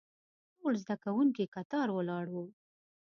ټول زده کوونکي کتار ولاړ وو.